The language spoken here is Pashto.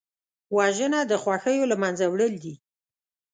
وژنه د خوښیو له منځه وړل دي